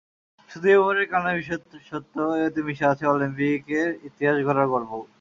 শুধু এবারের কান্নার বিশেষত্ব, এতে মিশে আছে অলিম্পিকের ইতিহাস গড়ার গর্বও।